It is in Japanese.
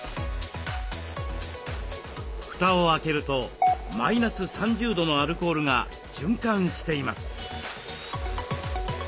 蓋を開けるとマイナス３０度のアルコールが循環しています。